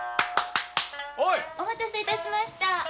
お待たせ致しました。